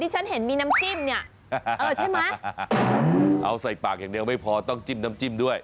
ฉันเห็นมีน้ำจิ้มเนี่ยเออใช่ไหมเอาใส่ปากอย่างเดียวไม่พอต้องจิ้มน้ำจิ้มด้วย